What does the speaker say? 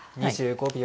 ２５秒。